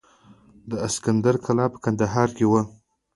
د اسکندر کلا په کندهار کې وه